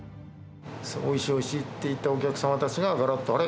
おいしいおいしいって言ったお客様たちが、がらっと、あれ？